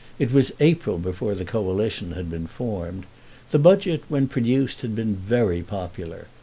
It was April before the Coalition had been formed. The budget when produced had been very popular.